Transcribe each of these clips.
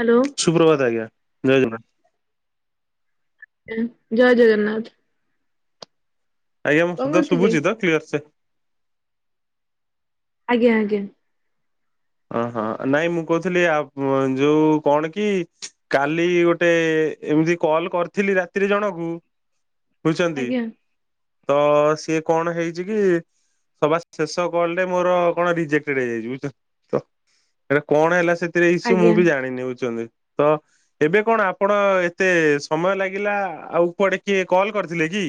Hello. ସୁପ୍ରଭାତ ଆଜ୍ଞା ଜୟ ଜଗନ୍ନାଥ। ଜୟ ଜଗନ୍ନାଥ। ଆଜ୍ଞା ମୁଁ କଣ ଶବ୍ଦ କରୁଥିଲେ? ଶୁଭୁଛି ତ କ୍ଲିୟର ସେ? ଆଜ୍ଞା ଆଜ୍ଞା। ଅହଁ ନାଇଁ ମୁଁ କହୁଥିଲି ଆ ଯୋଉ କଣ କି କାଲି ଗୋଟେ ଏମିତି କଲ୍ କରିଥିଲି ରାତିରେ ଜଣକୁ ବୁଝଛନ୍ତି ଆଜ୍ଞା ତ ସିଏ କଣ ହେଇଛି କି? ସଭା ଶେଷ କଲରେ ମୋର କଣ ରିଜେକ୍ଟେଡ ହେଇଯାଇଛି ବୁଝିଲ ତ ଏଟ କଣ ହେଲା ସେଥିରେ ଇସୁ ଆଜ୍ଞା ମୁଁ ବି ଜାଣିନି ବୁଝୁଛନ୍ତି ତ ଏବେ କଣ ଆପଣ ଏତେ ସମୟ ଲାଗିଲା ଆଉ କୁଆଡେ କିଏ କଲ କରିଥିଲେ କି?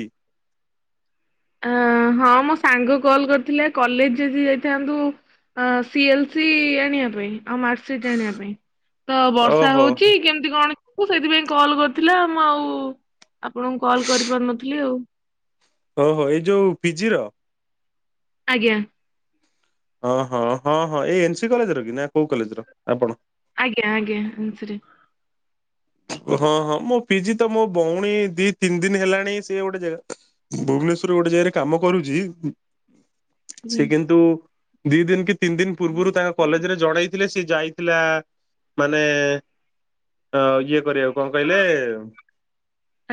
ଅ ହଁ ମୋ ସାଙ୍ଗ କଲ୍ କରିଥିଲା କଲେଜ ଯଦି ଯାଇଥାନ୍ତୁ ସି ଏଲ ସି ଆଣିବା ପାଇଁ ଆଉ ମାର୍କ ସିଟ ଆଣିବା ପାଇଁ ତ ବର୍ଷା ଓହୋ ହଉଛି କି କେମିତି କଣ ଯିବୁ ସେଇଥିପାଇଁ କଲ୍ କରିଥିଲା ମୁଁ ଆଉ ଆପଣଙ୍କୁ କଲ୍ କରି ପାରୁନଥିଲି ଆଉ ଓହୋ ଏଇ ଯୋଉ ପିଜି ର? ଆଜ୍ଞା। ହଁ ହଁ ହଁ ହଁ ଏଇ ଏନସିି କଲେଜର କି ନା କୋଉ କଲେଜର ଆପଣ? ଆଜ୍ଞା ଆଜ୍ଞା ଏନସି ରେ। ହଁ ହଁ ମୋ ପିଜି ତ ମୋ ଭଉଣୀ ଦି ତିନି ଦିନ ହେଲାଣି ସେ ଗୋଟେ ଜାଗା ଭୁବନେଶ୍ଵରରେ ଗୋଟେ ଜାଗାରେ କାମ କରୁଛି ଆଜ୍ଞା ସେ କିନ୍ତୁ ଦି ଦିନ କି ତିନି ଦିନ ପୂର୍ବରୁ ତାଙ୍କ କଲେଜ ରେ ଜଣେଇଥିଲେ ସିଏ ଯାଇଥିଲା ମାନେ ଅ ଇଏ କରିବାକୁ। କଣ କହିଲେ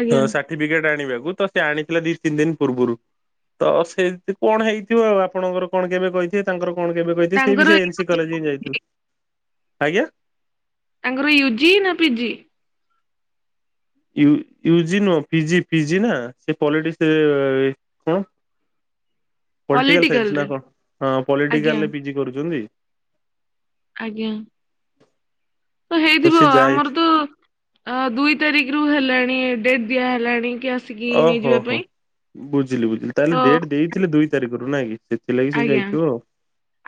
ଆଜ୍ଞା ସା ସର୍ଟିଫିକେଟ ଆଣିବାକୁ ତ ସେ ଆଣିଥିଲା ଦି ତିନି ଦିନ ପୂର୍ବରୁ। ତ ସେଇ କଣ ହେଇଥିବ ଆଉ ଆପଣଙ୍କର କଣ କେବେ କହି ସେ ତାଙ୍କର କଣ କେବେ କହିଥିଲେ ସେ ତାଙ୍କର ବି ସେ ଏନ୍ ସି କଲେଜ ହିଁ ଯାଇଥିଲେ ଆଜ୍ଞା। ତାଙ୍କର ୟୁଜି ନା ପିଜି? ୟୁ ୟୁଜି ନୁହଁ ପିଜି ପିଜି ନା ସେ ପଲିଟିକ୍ସରେ କଣ ପଲିଟିକାଲ ସାଇନ୍ସ ନା ପଲିଟିକାଲରେ କଣ ହଁ ଆଜ୍ଞା ପଲିଟିକାଲରେ ପିଜି କରୁଛନ୍ତି। ଆଜ୍ଞା। ତ ହେଇଥିବ ସେ ଯାଇ ଆମର ତ ଅ ଦୁଇ ତାରିଖ ରୁ ହେଲାଣି ଡେଟ୍ ଦିଆ ହେଲାଣି କି ଆ ଓ ହୋ ହୋ ବୁଝିଲି ବୁଝିଲି ତାହେଲେ ତ ଡେଟ୍ ଦେଇଥିଲେ ଦୁଇ ତାରିଖରୁ ନାଇଁ କି। ଥିଲାଗି ସେଏ ଆଜ୍ଞା। ଯାଇଥିବ ଆଉ।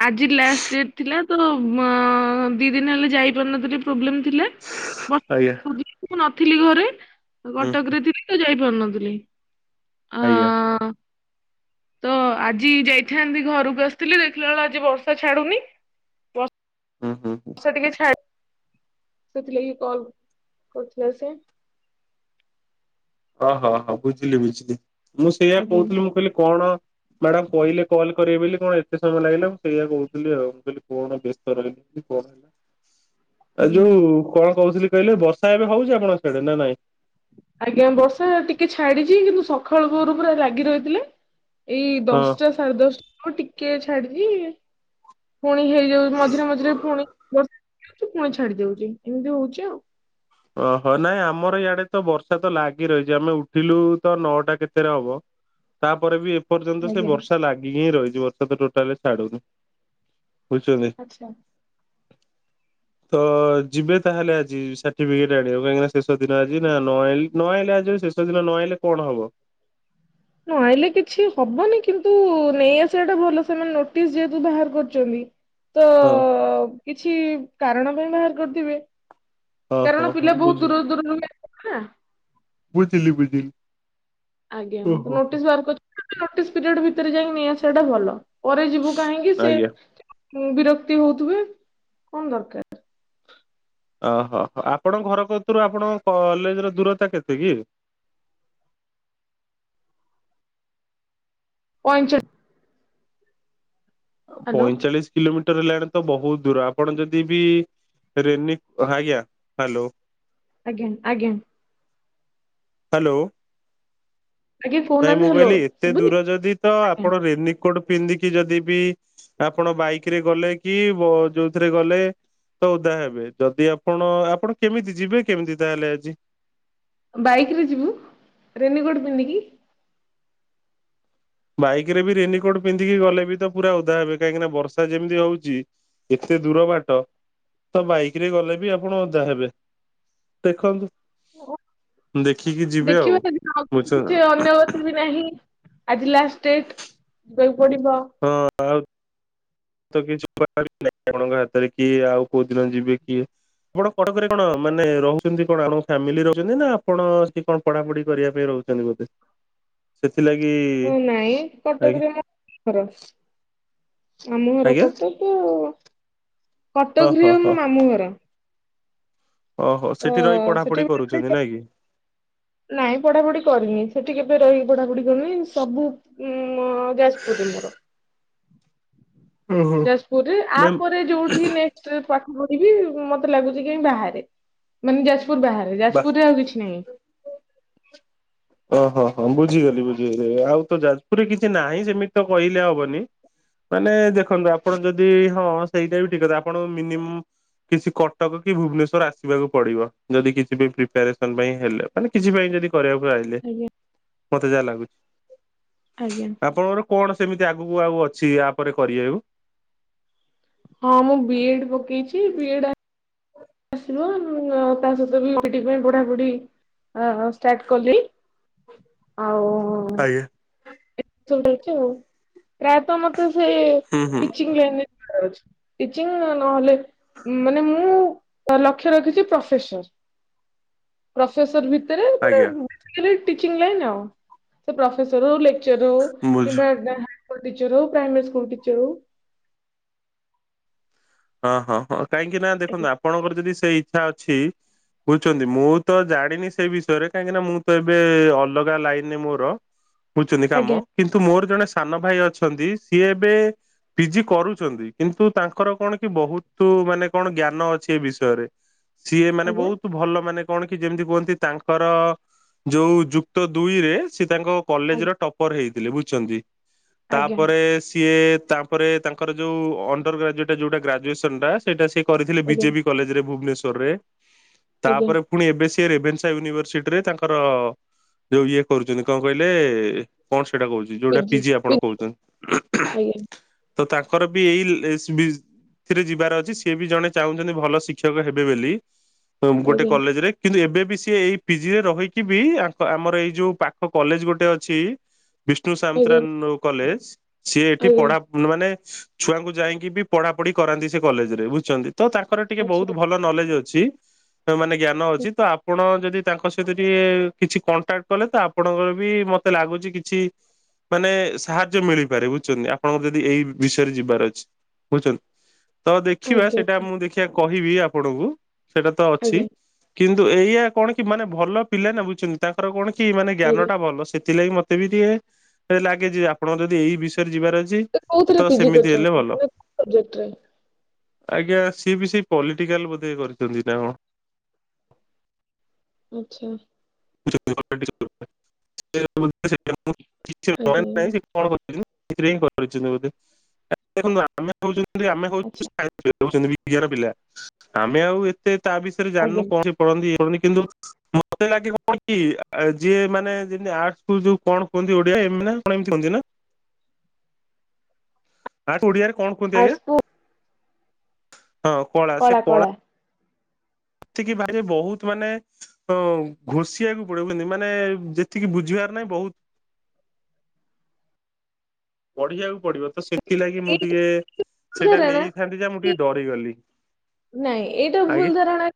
ଆଜି ଲାଷ୍ଟ ଡେଟ୍ ଥିଲା ତ ଦି ଦିନ ହେଲା ଯାଇପାରୁ ନଥିଲି ପ୍ରୋବ୍ଲେମ୍ ଥିଲା। ବ ଆଜ୍ଞା। ମୁଁ ନଥିଲି ଘରେ ହୁଁ କଟକ ହୁଁ ରେ ଥିଲି ତ ଯାଇପାରୁନଥିଲି। ଅ ଆଜ୍ଞା। ତ ଆଜି ଯାଇଥାନ୍ତି ଘରକୁ ଆସିଥିଲି ଦେଖିଲା ବେଳକୁ ଆଜି ବର୍ଷା ଛାଡୁନି। ହୁଁ ହୁଁ। ସେ ଟିକେ ଛା ସେଥିଲାଗି କଲ କରୁଥିଲା ସେ। ଓହୋ ହୋ ବୁଝିଲି ବୁଝିଲି ମୁଁ ସେଇଆ ଆଜ୍ଞା କହୁଥିଲି ମୁଁ କହିଲି କଣ ମ୍ୟାଡ଼ାମ କହିଲେ କଲ୍ କରିବେ ବୋଲି କଣ ଏତେ ସମୟ ଲାଗିଲା ମୁଁ ସେଇଆ କହୁଥିଲି ଆଉ ମୁଁ କହିଲି କଣ ବ୍ୟସ୍ତ ରହିଲେ। [unintelligible] ଆ ଆଜ୍ଞା। ଯୋଉ କଣ କହୁଥିଲି କହିଲେ ବର୍ଷା ଏବେ ହଉଛି ଆପଣଙ୍କ ସିଆଡ଼େ ନା ନାଇଁ? ଆଜ୍ଞା ବର୍ଷା ଟିକେ ଛାଡିଛି କିନ୍ତୁ ସକାଳ ପୋରୁ ପୁରା ଲାଗି ରହିଥିଲେ। ଏଇ ହଁ। ଦଶଟା ସାଢେ ଦଶଟାକୁ ଟିକେ ଛାଡିଛିି। ପୁଣି ହେଇଯାଉ ମଝିରେ ମଝିରେ ପୁଣି ବର୍ଷି ଦଉଛି ପୁଣି ଛାଡି ଜାଉଛି ଏମିତି ହଉଛି ଆଉ। ଓହୋ ନାଇଁ ଆମର ଇଆଡେ ତ ବର୍ଷା ତ ଲାଗି ରହିଛି ଆମେ ଉଠିଲୁ ତ ନଅଟା କେତେରେ ହବ। ତାପରେ ବି ଏପର୍ଯ୍ୟନ୍ତ ସେ ଆଜ୍ଞା ବର୍ଷା ଲାଗିକି ହିଁ ରହିଛି ବର୍ଷା ତ ଟୋଟାଲି ଛାଡୁନି। ବୁଝୁଛନ୍ତି ଆଚ୍ଛା। ତ ଯିବେ ତାହେଲେ ଆଜି ସା ଟିଫିକେଟ ଆଣି ବାକୁ କାହିଁକି ନା ଶେଷ ଦିନ ଆଜି ନା ନ ନଆଁଇଲେ ନ ଆଁଇଲେ ଆଜି ଶେଷ ଦିନ ନ ଆଁଇଲେ କଣ ହବ? ନ ଆଇଲେ କିଛି ହବନି କିନ୍ତୁ ନେଇ ଆସିବା ଟା ଭଲ ସେମାନେ ନୋଟିସ ଯେହେତୁ ବାହାର କରିଛନ୍ତି। ତ ହଁ। ତ କିଛି କାରଣ ପାଇଁ ବାହାର କରିଥିବେ। ହଁ ହଁ କାରଣ ହଁ ପିଲା ବହୁତ ବୁଝିଲି ଦୂର ଦୂରରୁ ଆସିବେ ନା। ବୁଝିଲି ବୁଝିଲି। ଆଜ୍ଞା ତ ଓହୋ। ହୋ। ନୋଟିସ୍ ବାହାର କରିଚନ୍ତି ନୋଟିସ୍ ପିରିୟଡ଼ ଭିତରେ ଯାଇକି ନେଇ ଆସିବାଟା ଭଲ। ପରେ ଯିବୁ କାହିଁକି ସେ ଆଜ୍ଞା ବିରକ୍ତି ହଉଥିବେ କଣ ଦରକାର। ଓହୋ ହୋ ଆପଣଙ୍କ ଘର କତରୁ ଆପଣଙ୍କ କଲେଜ ର ଦୂରତା କେତେ କିି? ପଇଁଚାଳି ହ୍ୟାଲୋ ପଇଁଚାଳିଶି କିଲୋମିଟର ହେଲାଣି ତ ବହୁତ୍ ଦୂର ଆପଣ ଯଦି ବି ରେନି ଆଜ୍ଞା ହ୍ୟାଲୋ ଆଜ୍ଞା ଆଜ୍ଞା। ହ୍ୟାଲୋ। ଆଜ୍ଞା ନାଇଁ କହୁନାହାନ୍ତି ମୁଁ ହ୍ୟାଲୋ କହିଲି ଏତେ ଶୁଭୁନି ଦୂର ଯଦି ତ ଆଜ୍ଞା ଆପଣ ରେନିକୋଟ୍ ପିନ୍ଧିକି ଯଦି ବି ଆପଣ ବାଇକ୍ ରେ ଗଲେ କି ଯୋଉଥିରେ ଗଲେ ତ ଓଦା ହେବେ ଯଦି ଆପଣ ଆପଣ କେମିତି ଯିବେ କେମିତି ତାହେଲେ ଆଜି? ବାଇକ୍ ରେ ଯିବୁ ରେନିକୋଟ୍ ପିନ୍ଧିକି। ବାଇକ୍ ରେ ବି ରେନିକୋଟ୍ ପିନ୍ଧିକି ଗଲେ ବି ତ ପୁରା ଓଦା ହେବେ କାହିଁକିନା ବର୍ଷା ଯେମିତି ହଉଛି। ଏତେ ଦୂର ବାଟ ତ ବାଇକ ରେ ଗଲେ ବି ଆପଣ ଓଦା ହେବେ। ଦେଖନ୍ତୁ ଦେଖିକି ଯିବେ ଆଉ ଦେଖିବା ସେଦିନ ବୁଝୁଚ କିଛି ନା। ଅନ୍ୟଗତି ନାହିଁ ଆଜି ଲାଷ୍ଟ୍ ଡେଟ୍ ଯିବାକୁ ପଡ଼ିବ। ହଁ। ତ କିଛି [unintelligible] ଆପଣଙ୍କ ହାତରେ କି ଆଉ କୋଉ ଦିନ ଯିବେ କିଏ ଆପଣ କଟକ ରେ କଣ ମାନେ ରହୁଛନ୍ତି କଣ [unintelligible] ଫ୍ୟାମିଲି ରହୁଛନ୍ତି ନା ଆପଣ ସେଠି କଣ ପଢ଼ାପଢ଼ି କରିବା ପାଇଁ ରହୁଛନ୍ତି ବୋଧେ? ସେଥିଲାଗି ହୁଁ ନାଇଁ ଆଜ୍ଞା କଟକରେ ମୁଁ ଘର ମାମୁଁ ଘର ଆଜ୍ଞା କଟକ। ଓହୋ କଟକରେ ହଉ ହୋ ମୋ ମାମୁଁ ଘର। ଓହୋ ତ ସେଠି ରହି ସେଠି ପଢ଼ାପଢ଼ି କରୁଛନ୍ତି ନାଇଁ କି? ନାଇଁ ପଢ଼ାପଢ଼ି କରିନି ସେଠି କେବେ ରହିି ପଢ଼ାପଢ଼ି କରିନି ସବୁ ଉଁ ମ ଯାଜପୁରରେ ମୋର ହୁଁ ହୁଁ। ଯାଜପୁର ରେ ଆ ନାଇଁ ପରେ ଯୋଉଠି ନେ ନେଷ୍ଟ୍ ରେ ପାଠ ପଢ଼ିବି ମତେ ଲାଗୁଛି କାଇଁ ବାହାରେ ମାନେ ଯାଜପୁର ବାହାରେ। ବା ଯାଜପୁରରେ ଆଉ କିଛି ନାହିଁ। ଓ ହୋ ହ ହଁ ବୁଝିଗଲି ବୁଝିଗଲି ଆଉ ତ ଯାଜପୁରରେ କିଛି ନାହିଁ ସେମିତି ତ କହିଲେ ହବନି। ମାନେ ଦେଖନ୍ତୁ ଆପଣ ଯଦି ହଁ ସେଇଟା ବି ଠିକ୍ କଥା ଆପଣ ମିନିମ୍ କିଛି କଟକ କି ଭୁବନେଶ୍ୱର ଆସିବାକୁ ପଡ଼ିବ ଯଦି କିଛି ବି ପ୍ରିପାରେସନ୍ ପାଇଁ ହେଲେ। ମାନେ କିଛି ପାଇଁ ଯଦି କରିବାକୁ ଆଇଲେ ଆଜ୍ଞା ମତେ ଯାହା ଲାଗୁଛି। ଆଜ୍ଞା। ଆପଣଙ୍କର କଣ ସେମିତି ଆଗକୁ ଆଉ ଅଛି ଇଆ ପରେ କରିବାକୁ? ହଁ ମୁଁ ବି ଏଡ୍ ପକେଇଚି ବି ଏଡ୍ ଆସିବ ଆଉ ତା ସହିତ [unintelligible] ଆଁ ଆଁ‌ ଷ୍ଟାର୍ଟ କଲି ଆଉ ଆଜ୍ଞା। [unintelligible] ପ୍ରାୟତ ମତେ ସେ ହୁଁ ହୁଁ ଟିଚିଙ୍ଗ୍ ଲାଇନ୍ ରେ ଟିଚିଂ ନହେଲେ ମାନେ ମୁଁ ଲକ୍ଷ୍ୟ ରଖିଛି ପ୍ରଫେସର। ପ୍ରଫେସର ଭିତରେ ମାନେ ଆଜ୍ଞା ଯେତିକି ବି ଟିଚିଙ୍ଗ୍ ଲାଇନ୍ ଆଉ ପ୍ରଫେସର ହେଉ ଲେ ଲେଚର୍ ହେଉ ବୁଝୁ କିମ୍ବାର ଗାଁ ଟିଚର ହେଉ ପ୍ରାଇମେରୀ ସ୍କୁଲ ଟିଚର ହେଉ। ହଁ ହଁ ହଁ କାହିଁକି ନା ଦେଖନ୍ତୁ ଆପଣଙ୍କର ଯଦି ସେଇ ଇଚ୍ଛା ଅଛି ବୁଝୁଛନ୍ତି ମୁଁ ତ ଜାଣିନି ସେଇ ବିଷୟରେ କାହିଁକି ନା‌ ମୁଁ ତ ଏବେ ଅଲଗା ଲାଇନ୍ ରେ ମୋର ବୁଝଛନ୍ତି କାମ ଆଜ୍ଞା କିନ୍ତୁ ମୋର ଜଣେ ସାନ ଭାଇ ଅଛନ୍ତି ସିଏ ଏବେ ପି ଜି କରୁଛନ୍ତି କିନ୍ତୁ ତାଙ୍କର କଣ କି କି ବହୁତ୍ ମାନେ କଣ ଜ୍ଞାନ ଅଛି ଏ ବିଷୟରେ ସିଏ ମାନେ ଆଜ୍ଞା ବହୁତ୍ ଭଲ ମାନେ କଣ କି ଯେମିତି କୁହନ୍ତି ତାଙ୍କର ଯୋଉ ଯୁକ୍ତ ଦୁଇରେ ସେ ତାଙ୍କ କଲେଜ୍ ର ଟପ୍ପର ହେଇଥିଲେ ବୁଝୁଛନ୍ତି। ଆଜ୍ଞା ଆଜ୍ଞା ତାପରେ ସିଏ ତାପରେ ତାଙ୍କର ଯୋଉ ଅଣ୍ଡର ଗ୍ରାଜୁଏଟ ଯୋଉଟା ଗ୍ରାଜୁଏସନ ଟା ସେଇଟା ସେ କରିଥିଲେ ଆଜ୍ଞା ବିଜେପି କଲେଜ ରେ ଭୁବନେଶ୍ୱରରେ। ଆଜ୍ଞା ତାପରେ ପୁଣି ଏବେସିଏ ରେଭେନ୍ସା ୟୁନିଭର୍ସିଟିରେ ତାଙ୍କର ଯୋଉ ଇଏ କରୁଛନ୍ତି କଣ କହିଲେ କଣ ସେଇଟା କହୁଛି? ଯୋଉଟା ପିଜି ଆପଣ କହୁଛନ୍ତି। ଆଜ୍ଞା ତ ତାଙ୍କର ବି ଏଇ ଏସ ବିସ ଏଥିରେ ଯିବାର ଅଛି। ସିଏ ବି ଜଣେ ଚାହୁଁଛନ୍ତି ଭଲ ଶିକ୍ଷକ ହେବେ ବୋଲି ଗୋଟେ ଆଜ୍ଞା କଲେଜରେ କିନ୍ତୁ ଏବେ ବି ସିଏ ଏଇ ପିଜିରେ ରହିକି ବି ଆମର ଏଇ ଯୋଉ ପାଖ କଲେଜ ଗୋଟେ ଅଛି ବିଷ୍ଣୁ ସନ୍ତରା ଆଜ୍ଞା ନ କଲେଜ। ସିଏ ଏଠି ଆଜ୍ଞା ପଢା ମାନେ ଛୁଆଙ୍କୁ ଯାଇଙ୍କିବି ପଢାପଢି କରାନ୍ତି ସେ କଲେଜ। ରେ ବୁଝିଛନ୍ତି ତ। ତାଙ୍କର ଟିକେ ଆଚ୍ଛା ବହୁତ ଭଲ ନଲେଜ ଅଛି। ମାନେ ଜ୍ଞାନ ଆଚ୍ଛା। ଅଛି। ତ ଆପଣ ଯଦି ତାଙ୍କ ସହିତ ଟିକେ କିଛି କଣ୍ଟାକ୍ଟ କଲେ ତ ଆପଣଙ୍କର ବି ମତେ ଲାଗୁଛି କିଛି ମାନେ ସାହାଯ୍ୟ ମିଳିପାରେ ବୁଝୁଛନ୍ତି ଆପଣଙ୍କର ଯଦି ଏଇ ବିଷୟରେ ଯିବାର ଅଛି। ବୁଝୁଛନ୍ତି? ତ ଦେଖିବା ଆଜ୍ଞା ସେଇଟା ମୁଁ ଦେଖିବା କହିବି ଆପଣଙ୍କୁ। ସେଇଟା ତ ଅଛି। ଆଜ୍ଞା କିନ୍ତୁ ଏଇଆା କଣ କି ମାନେ ଭଲ ପିଲା ନ ବୁଝୁଛନ୍ତି ତାଙ୍କର କଣ କି ମାନେ ଆଜ୍ଞା ଜ୍ଞାନଟା ଭଲ ସେଥିଲାଗି ମତ ତେ [unintelligible] ଲାଗେ ଯେ ଆପଣ ଯଦି ଏଇ ବିଷୟରେ ଯିବାର ଅଛି। ତ କୋଉଥିରେ ପି ଜି ସେମିତି ହେଲେ କରିଛନ୍ତି? ଭଲ ନେ ପୋଯେକ୍ଟରେ ଆଜ୍ଞା, ସିଏ ବି ସେ ପଲିଟିକାଲ ବୋଧେ କରିଛନ୍ତି ନା କଣ? ଆଚ୍ଛା [unintelligible] [inaudible] [inaudible] ଆଜ୍ଞା ଆଜ୍ଞା ଆଚ୍ଛା ଆମେ ଆଉ ଏତେ ତା ବିଷୟରେ ଜାଣିନୁ ଆଜ୍ଞା କଣସି କରନ୍ତିନି କିନ୍ତୁ ମତେ ଲାଗେ କଣ କି ଯିଏ ମାନେ ଯେ ଯଉ କଣ କୁହନ୍ତି ଓଡିଆ ଏ କଣ ଏମତି କୁହନ୍ତି ନା ଆଠ ଓଡିଆରେ କଣ କୁହନ୍ତି ଆଜ୍ଞା ଆର୍ଟସକୁ ହଁ କଳା ସେ କଳା ସେତିକି ଭାଇ ବହୁତ ମାନେ ଅ ଘୋଷିବାକୁ ପଡଉଛନ୍ତି। ମାନେ ଯେତିକି ବୁଝିବାର ନାହିଁ ବହୁତ ପଢିବାକୁ ପଡିବ ତ ସେଥିଲାଗି ମୁଁ ଏଇ ଟିକେ ସେଇଟା ଧାରଣା ନେଇଥାନ୍ତି ଯା ମୁଁ କି ଟିକେ ଡରିଗଲି। ନାଇଁ ଏଇଟା ଭୁଲ ଆଜ୍ଞା ଧାରଣା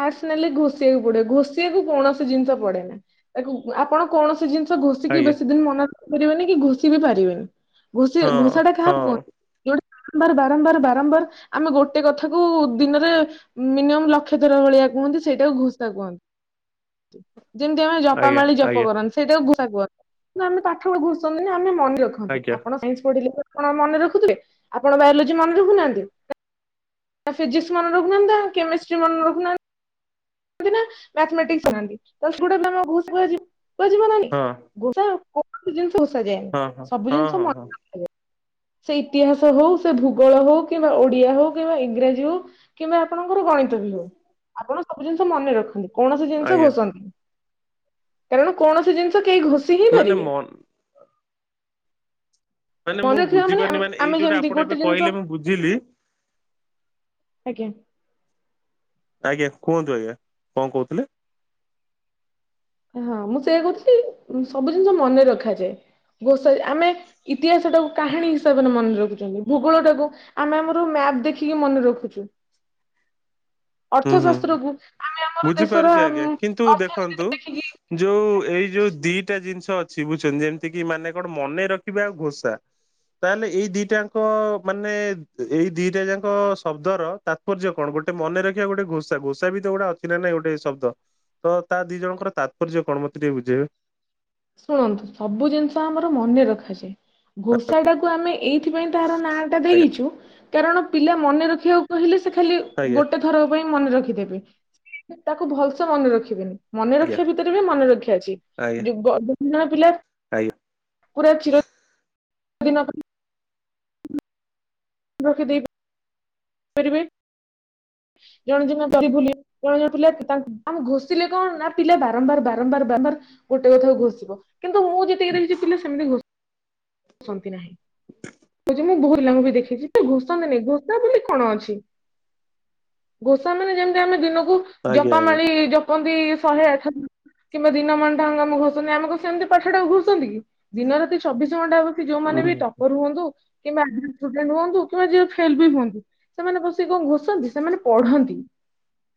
ଆର୍ଟ୍ସ ନେଲେ ଘୋଷିବାକୁ ପଡେ ଘଷିବାକୁ କୌଣସି ଜିନିଷ ପଡେନା, ତାକୁ ଆପଣ କୌଣସି ଜିନିଷ ଘୋଷିକି ଆଜ୍ଞା ବେଶୀ ଦିନ ମନା ରଖପାରିବେନି କି ଘୋଷି ବି ପାରିବେନି ଘଷି ହଁ ଘୋଷା ଟା କାହାକୁ ହଁ କୁହନ୍ତି? ଯୋଉ ବାରମ୍ବାର ବାରମ୍ବାର ବାରମ୍ବାର ଆମେ ଗୋଟେ କଥାକୁ ଦିନରେ ମିନିମମ୍ ଲକ୍ଷ ଥର ଭଳିଆ କୁହନ୍ତି ସେଇଟାକୁ ଘୋସା କୁହନ୍ତି। ଯେମତି ଆମେ ଜପା ଆଜ୍ଞା ମାଳି ଜପ ଆଜ୍ଞା କରନ୍ତି। [unintelligible] ଆମେ ପାଠ ବ ଘୋଷୁଛନ୍ତି ନା ଆମେ ମନେ ରଖନ୍ତି ଆଜ୍ଞା ଆପଣ ସାଇନ୍ସ ପଢିଲେ ଆପଣ ମନେ ରଖୁଥିବେ ଆପଣ ବାୟୋଲୋଜି ମନେ ରଖୁନାହାନ୍ତି? ତା ଫିଜିକ୍ସ ମନେ ରଖୁନାହାଁନ୍ତି, ନା କେମିଷ୍ଟ୍ରି ମନେ ରଖୁନାହାଁନ୍ତି [unintelligible] [inaudible] ହଁ ଯାଏନି ହଁ ହଁ ସବୁ ହଁ ଜିନିଷ ହଁ ହଁ ମନେ। [unintelligible] ସେ ଇତିହାସ ହଉ ସେ ଭୂଗୋଳ ହଉ କିମ୍ବା ଓଡିଆ ହଉ କିମ୍ବା ଇଂରାଜୀ ହଉ କିମ୍ବା ଆପଣଙ୍କର ଗଣିତ ବି ହଉ ଆପଣ ସବୁ ଜିନିଷ ମନେ ରଖନ୍ତି କୌଣସି ଜିନିଷ ଆଜ୍ଞା ଘୋଷନ୍ତି। କାରଣ କୌଣସି ଜିନଷ କେହି ଘୋଷ ମାନେ ମନ ମାନେ ମୁଁ ମନେ ରଖିବା ମାନେ ବୁଝିପାରୁନି ଏଇ ଆମେ ଯୋଉଟା ଯେମିତି ଆପଣ ଏବେ ଗୋଟେ କହିଲେ ଜିନିଷ ମୁଁ ବୁଝିଲି ଆଜ୍ଞା ଆଜ୍ଞା କୁହନ୍ତୁ ଆଜ୍ଞା କଣ କହୁଥିଲେ? ହଁ ମୁଁ ସେୟା କହୁଥିଲି ସବୁ ଜିନିଷ ମନେ ରଖାଯାଏ। ଘୋସା ଆମେ ଇତିହାସ ଟାକୁ କାହାଣୀ ହିସାବରେ ମନେ ରଖୁଛନ୍ତି। ଭୂଗୋଳ ଟାକୁ ଆମେ ଆମର ମ୍ୟାପ ଦେଖିକି ମନେ ରଖୁଚୁ। ହୁଁ ହୁଁ ହୁଁ ଅର୍ଥଶାସ୍ତ୍ରକୁୁ ଆମେ ଆମର ଦେଶର ବୁଝିପାରୁଛି ଆଜ୍ଞା କିନ୍ତୁ ଅର୍ଥନୀତି ଦେଖନ୍ତୁ ଦେଖିକି ଯୋଉ ଏଇ ଯୋଉ ଦିଟା ଜିନିଷ ଅଛି। ବୁଝୁଚନ୍ତି ଯେମିତି କିି ମାନେ କଣ ମନେ ରଖିବା ଆଉ ଘୋଷା। ତାହେଲେ ଏଇ ଦିଟାଙ୍କ ମାନେ ଏଇ ଦିଟା ଯାକ ଶବ୍ଦର ତାତ୍ପର୍ଯ୍ୟ କଣ ଗୋଟେ ମନେ ରଖିବା ଗୋଟେ ଘୋଷା। ଘୋଷା ବି ତ ଗୋଟେ ଅ ଛି କି ନା ନାଇଁ ଗୋଟେ ଶବ୍ଦ ତ ତା ଦିଇ ଜଣଙ୍କ ତାତ୍ପର୍ଯ୍ୟ କଣ ମତେ ଟିକେ ବୁଝେଇବେ। ଶୁଣନ୍ତୁ ସବୁ ଜିନିଷ ଆମର ମନେ ରଖାଯାଏ। ଘୋସା ଟାକୁ ଆମେ ଏଇଥିପାଇଁ ତାହାର ନାଁ ଟା ଆଜ୍ଞା ଦେଖିଚୁ କାରଣ ପିଲା ମନେ ରଖିବାକୁ କହିଲେ ସେ ଖାଲି ଆଜ୍ଞା ଗୋଟେ ଥର ପାଇଁ ମନେ ରଖିଦେବେ ତାକୁ ଭଲସେ ମନେ ରଖିବେନି। ଆଜ୍ଞା ମନେରଖିବା ଭିତରେ ବି ମନେରଖିବା ଅଛି ଆଜ୍ଞା ଦି ଗ ଦିଇ ତିନି ଜଣ ପିଲା ଆଜ୍ଞା ପୁରା ଚିର ଦିନ ପାଇଁ ରଖି ଦେଇପା ରିବେ। ଜଣେ [unintelligible] କୁହାଯାଉଥିଲା ତାଙ୍କ ଆମେ ଘୋଷିଲେ କଣ ହେଲା ପିଲା ବାରମ୍ବାର ବାରମ୍ବାର ବାରବାର ଗୋଟେ କଥାକୁ ଘୋଷିବ କିନ୍ତୁ ମୁଁ ଯେତିକି ଦେଖିଚି ପିଲା ସେମିତି ଘୋ ଷନ୍ତି ନାହିଁ। ମୁଁ [unintelligible] ବୋହୁତ ପିଲାଙ୍କୁ ବି ଦେଖିଚି। ଘୋସନ୍ତିନି ଘୋସା ବୋଲି କଣ ଅଛି। ଘୋସା ମାନେ ଯେମିତି ଆମେ ଦିନକୁ ଆଜ୍ଞା ଜପା ଆଜ୍ଞା ମାଳି ଜପନ୍ତି ଶହେ ଆଠଥ କିମ୍ବା ଦିନ ମାନଟାଙ୍ଗ ଆମକୁ ଘୋଷନ୍ତି ଆମକୁ ସେମିତି ପାଠ ଟାକୁ ଘୋଷନ୍ତି କି ଦିନ ରାତି ଚବି ଶି ଘଣ୍ଟା ବସି ଉଁ, ଯୋଉମାନେ ବି ଟପର ହୁଅନ୍ତୁ କିମ୍ବା ଷ୍ଟୁଡେଣ୍ଟ ହୁଅନ୍ତୁ କିମ୍ବା ଯିଏ ଫେଲ୍ ବି ହୁଅନ୍ତୁ। ସେମାନେ ବସିକି କଣ ଘୋଷନ୍ତି ସେମାନେ ପଢନ୍ତି।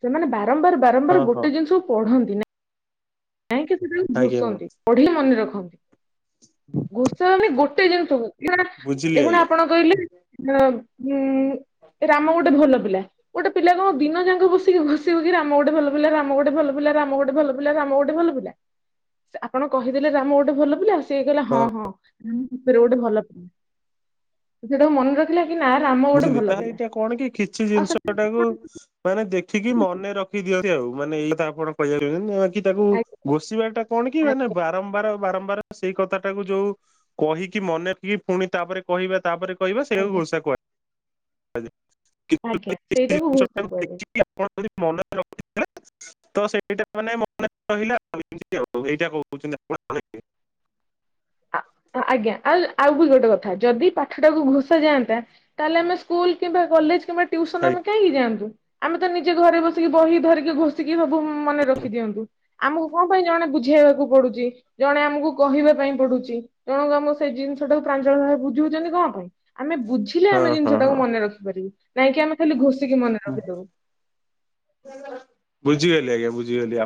ସେମାନେ ବା ରମ୍ବାର ହଁ ବାରମ୍ବାର ହଁ ଗୋଟେ ଜିନିଷକୁ ପଢନ୍ତି। ନାଇଁକି ସେଟାକୁ ଆଜ୍ଞା ମ୍ୟାମ୍। ଘୋଷନ୍ତି ପଢିକି ମନେ ରଖନ୍ତି। ଘୋଷା ମାନେ ଗୋଟେ ଜିନିଷ କୁ [unintelligible] ବୁଝିଲି ଏ ଖୁଣା ଆଜ୍ଞା ଆପଣ କହିଲେ ଅଁ ଉଁ ରାମ ଗୋଟେ ଭଲ ପିଲା। ଗୋଟେ ପିଲା କଣ ଦିନ ଯାକ ବସିକି ଘୋଷିବ କି ରାମ ଗୋଟେ ଭଲ ପିଲା ରାମ ଗୋଟେ ଭଲ ପିଲା ରାମ ଗୋଟେ ଭଲ ପିଲା ରାମ ଗୋଟେ ଭଲ ପିଲା ଆପଣ କହିଦେଲେ ରାମ ଗୋଟେ ଭଲ ପିଲା ସେ କହିଲା ହଁ ହଁ ଉଁ [unintelligible] ଗୋଟେ ଭଲ ସେଟାକୁ ମନେ ର ବୁଝିଲି ତାର ଏଇଟା କଣ କି କିଛି ଆଉ ଜିନିଷ ସେଟା ଟାକୁ ମାନେ ଦେଖିକି ମନେ ରଖି ଦିଅନ୍ତି ଆଉ ମାନେ ଏଇ କଥା ଆପଣ କହିବାକୁ [unintelligible] କି ତାକୁ ଆଜ୍ଞା ଘୋଷିବା ଟା କଣ କି ମାନେ ଆଜ୍ଞା ବାରମ୍ବାର ବାରମ୍ବାର ସେଇ କଥା ଟାକୁ ଯୋଉ କହିକି ମନେ ରଖି ପୁଣି ତାପରେ କହିବା ତାପରେ କହିବା ସେଇଟା କୁ ଆଜ୍ଞା ଘୋଷା କୁହା ଆଜ୍ଞା କିନ୍ତୁ ଆଜ୍ଞା ଭାଇ ଗୋଟେ ସେଇଟାକୁ ଜିନିଷ ଘୋଷା ଟାକୁ କୁହାଯାଏ ଦେଖିକି ଆପଣ ଯଦି ମନେ ରଖିବେ [inaudible] ତ ସେଇଟା ମାନେ ମନେ ରହିଲା ଏମିତି ଆଉ ଏଇଟା କୋହୁଚନ୍ତି ଆପଣ ନା [inaudible] ଆ ଆଜ୍ଞା ଆଉ ଆଉ ବି ଗୋଟେ କଥା ଯଦି ପାଠଟାକୁ ଘୋଷା ଯାଆନ୍ତା। ତାହେଲେ ଆମ ସ୍କୁଲ କିମ୍ବା କଲେଜ କିମ୍ବା ଟିଉସନ ଆମେ କାହିଁକି ଯାଆନ୍ତୁ ଆମେ ତ ନିଜେ ଘରେ ବସିକି ବହି ଧରିକି ଘୋଷିକି ସବୁ ମୁଁ ମନେ ରଖି ଦିଅନ୍ତୁ ଆମକୁ କଣ ପାଇଁ ଜଣେ ବୁଝେଇବାକୁ ପଡୁଚି ଜଣେ ଆମକୁ କହିବା ପାଇଁ ପଡୁ ଚି ଜଣକୁ ଆମକୁ ସେଇ ଜିନିଷ ଟାକୁ ପ୍ରାଞ୍ଜଳ ଭାବେ ବୁଝୋଉଚନ୍ତି କଣ ପାଇଁ। ଆମେ ବୁଝିଲେ ଆମେ ହଁ ହଁ ଜିନିଷ ଟାକୁ ହଁ ମନେ ରଖିପାରିବୁ ନାଇଁକି ଆମେ ଖାଲି ଘୋଷିକି ମନେ ରଖିଦୋବୁ। ବୁଝିଗଲି ଆଜ୍ଞା ବୁଝିଗଲି ଆ